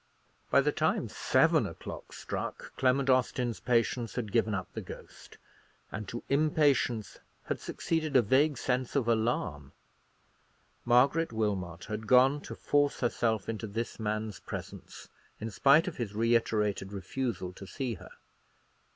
By the time seven o'clock struck, Clement Austin's patience had given up the ghost; and to impatience had succeeded a vague sense of alarm. Margaret Wilmot had gone to force herself into this man's presence, in spite of his reiterated refusal to see her.